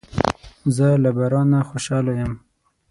زه له بارانه خوشاله یم.